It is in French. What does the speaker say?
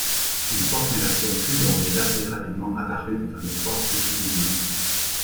Une formulation plus longue est assez rapidement apparue dans l'histoire du bouddhisme.